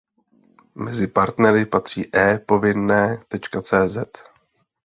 Mezi partnery patří ePovinne.cz.